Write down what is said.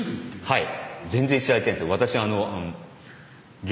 はい。